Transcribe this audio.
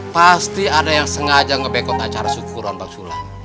pasti ada yang sengaja ngebekot acara kesyukuran bang sulam